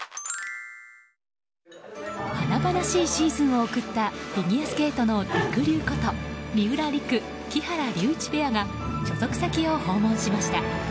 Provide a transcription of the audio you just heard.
華々しいシーズンを送ったフィギュアスケートのりくりゅうこと三浦璃来、木原龍一ペアが所属先を訪問しました。